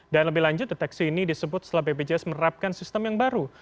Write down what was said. dan lebih lanjut deteksi ini disebut setelah bpjs menerapkan sistem yang baru